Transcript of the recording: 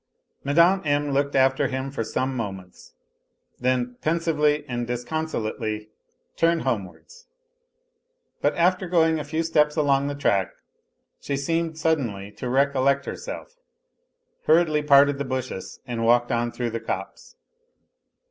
Mme. M. looked after him for some moments, then pensively and disconsolately turned homewards. But after going a few steps along the track she seemed suddenly to recollect herself, hurriedly parted the bushes and walked on through the copse.